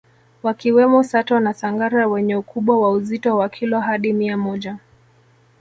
wakiwemo Sato na Sangara wenye ukubwa wa uzito wa kilo hadi mia moja